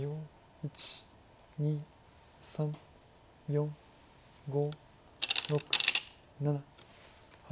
１２３４５６７８。